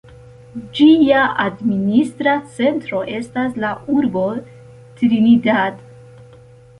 Ĝia administra centro estas la urbo Trinidad.